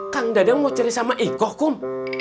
kang dadang mau cerai sama ikoh kum